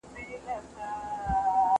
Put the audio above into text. کوم عوامل د دین د اصولو مشهورول زیاتوي؟